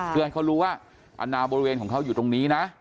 เพื่อให้เขารู้ว่าอนาบริเวณของเขาอยู่ตรงนี้นะ